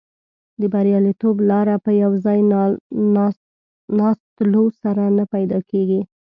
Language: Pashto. د بریالیتوب لاره په یو ځای ناستلو سره نه پیدا کیږي.